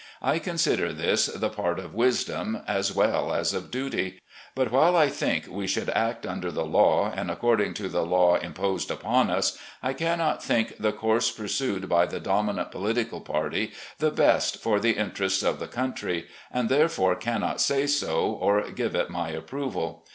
I consider this the part of wisdom, as well as of duty ; but, while I think we should act rmder the law and according to the law im posed upon us, I cannot think the course pursued by the dominant political party the best for the interests of the country, and therefore carmot say so or give it my approval.